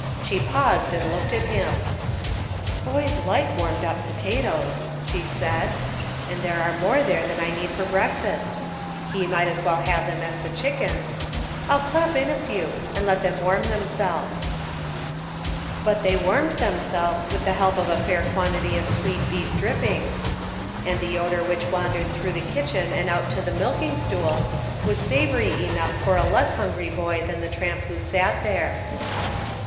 She paused and looked at him. UNSEEN CONNECTIONS. /I "Boys like warmed up potatoes," she said, "and there are more there than I need for breakfast ; he might as well have them as the chickens. I'll clap in a few and let them warm themselves." . But they warmed themselves with the help of a fair quantity of sweet beef drippings, and the odor which wandered through the kitchen and out to the milking stool was savory enough for a less hungry boy than the tramp who sat there.